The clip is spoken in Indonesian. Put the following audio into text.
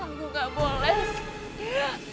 aku gak boleh